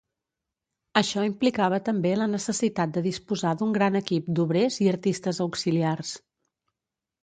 Això implicava també la necessitat de disposar d'un gran equip d'obrers i artistes auxiliars.